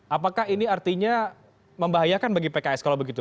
apakah ini artinya membahayakan bagi pks kalau begitu